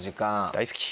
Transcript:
大好き。